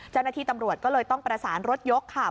เจ้าหน้าที่ตำรวจก็เลยต้องประสานรถยกค่ะ